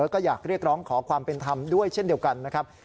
แล้วก็อยากเรียกร้องขอความเป็นธรรมด้วยเช่นเดียวกันนะครับ